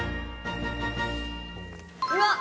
うわっ。